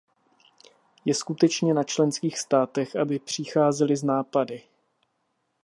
Je skutečně na členských státech, aby přicházely s nápady.